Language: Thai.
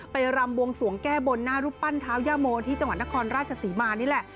รำบวงสวงแก้บนหน้ารูปปั้นเท้าย่าโมที่จังหวัดนครราชศรีมานี่แหละ